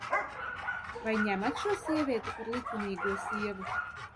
Vai ņemat šo sievieti par likumīgo sievu?